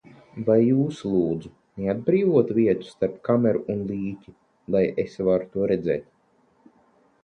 Vai jūs, lūdzu, neatbrīvotu vietu starp kameru un līķi, lai es varu to redzēt?